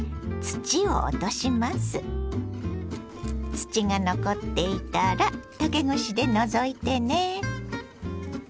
土が残っていたら竹串で除いてね。